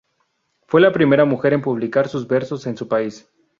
Fue la primera mujer en publicar sus versos en su país.